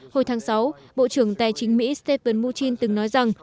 hồi tháng sáu bộ trưởng tài chính mỹ stephen mnuchin từng nói rằng